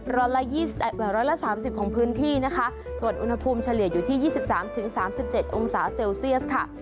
ร้อยละสามสิบของพื้นที่นะคะส่วนอุณหภูมิเฉลี่ยอยู่ที่ยี่สิบสามถึงสามสิบเจ็ดองศาเซลเซียสค่ะ